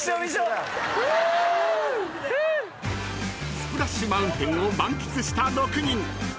［スプラッシュ・マウンテンを満喫した６人］